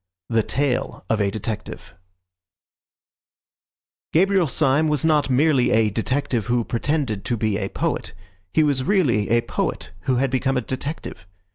THE TALE OF A DETECTIVE Gabriel Syme was not merely a detective who pretended to be a poet; he was really a poet who had become a detective.